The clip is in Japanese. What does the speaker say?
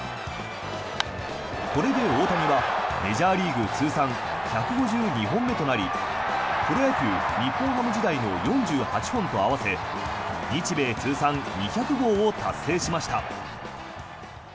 これで大谷はメジャーリーグ通算１５２本目となりプロ野球、日本ハム時代の４８本と合わせ日米通算２００号を達成しました。